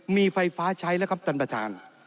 มีไฟฟ้าใช้แล้วครับท่านประธาน